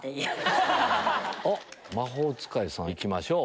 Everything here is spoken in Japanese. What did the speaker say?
魔法使いさん行きましょう。